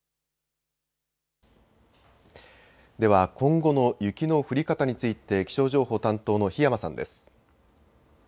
では今後の雪の降り方について気象情報担当の檜山さんです。